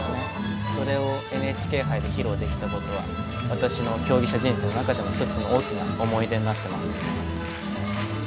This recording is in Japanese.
それをＮＨＫ杯で披露できたことは私の競技者人生の中でも１つの大きな思い出になっています。